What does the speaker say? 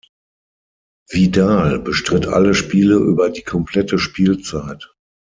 Vidal bestritt alle Spiele über die komplette Spielzeit.